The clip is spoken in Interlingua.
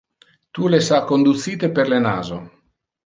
Tu les ha conducite per le naso.